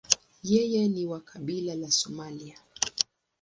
Yeye ni wa kabila la Somalia.